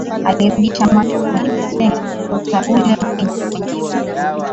Alirudisha macho kwenye beseni akakuta ule mvinyo kenye beseni